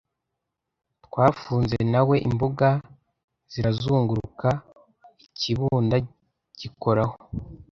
Twafunze na we, imbuga zirazunguruka, ikibunda gikoraho ,